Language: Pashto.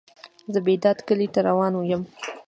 زه بیداد کلی ته روان یم.